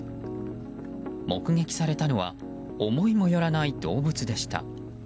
目撃されたのは思いもよらない動物でした。